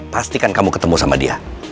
pastikan kamu ketemu sama dia